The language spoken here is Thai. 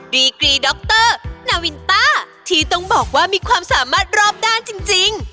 ดีกรีดรนาวินต้าที่ต้องบอกว่ามีความสามารถรอบด้านจริง